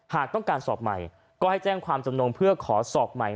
หากต้องการสอบใหม่ก็ให้แจ้งความจำนงเพื่อขอสอบใหม่